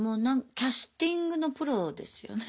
キャスティングのプロですよね。